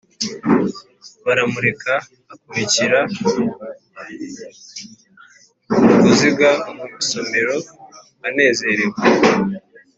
baramureka, akurikira vuguziga mu isomero anezerewe.